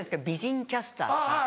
美人キャスターとか。